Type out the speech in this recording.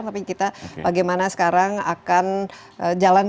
tapi kita bagaimana sekarang akan jalan keluarnya atau paling tidak solusi